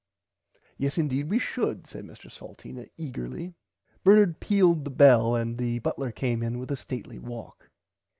Yes indeed we should said Mr Salteena egerly. Bernard pealed on the bell and the butler came in with a stately walk.